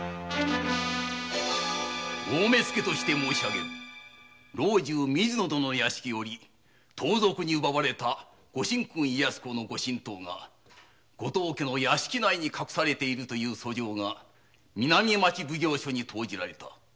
大目付として申しあげる水野殿の屋敷より盗賊に奪われた家康公の御神刀がご当家の屋敷の中に隠されているという訴状が南町奉行所に投じられた。